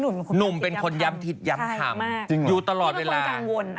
หนุ่มเป็นคนย้ำพิษย้ำทำจริงเหรออยู่ตลอดเวลาเป็นคนกังวล